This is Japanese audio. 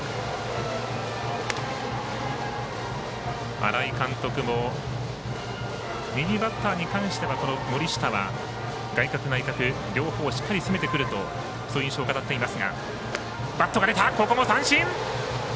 荒井監督も右バッターに関しては、森下は外角内角両方しっかり攻めるとそういう印象を語っています。